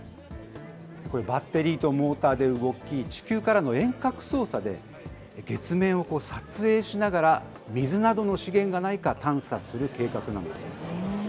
バッテリーとモーターで動き、地球からの遠隔操作で月面を撮影しながら、水などの資源がないか探査する計画なんだそうです。